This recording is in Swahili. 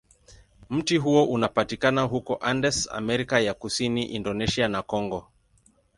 Mti huo unapatikana huko Andes, Amerika ya Kusini, Indonesia, na Kongo.